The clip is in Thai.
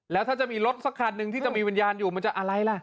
แล้วถ้าจะมีรถสักคันหนึ่งที่จะมีวิญญาณอยู่มันจะอะไรล่ะ